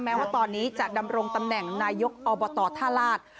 แม้ว่าตอนนี้จะดำรงตำแหน่งนายกอบตท่าลาศ